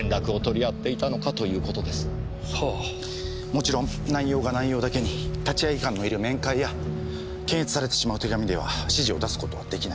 もちろん内容が内容だけに立会官のいる面会や検閲されてしまう手紙では指示を出すことはできない。